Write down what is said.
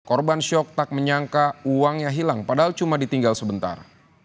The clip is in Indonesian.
korban syok tak menyangka uangnya hilang padahal cuma ditinggal sebentar